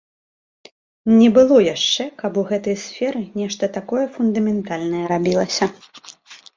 Не было яшчэ, каб у гэтай сферы нешта такое фундаментальнае рабілася.